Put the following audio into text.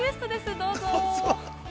どうぞ。